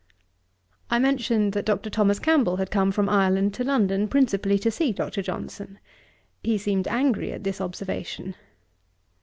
I mentioned that Dr. Thomas Campbell had come from Ireland to London, principally to see Dr. Johnson. He seemed angry at this observation.